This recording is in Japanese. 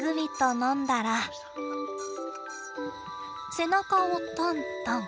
背中をトントン。